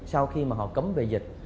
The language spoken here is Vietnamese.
sau khi mà họ cấm về dịch